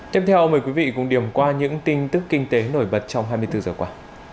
tiếp theo mời quý vị cùng điểm qua những tin tức kinh tế nổi bật trong hai mươi bốn giờ qua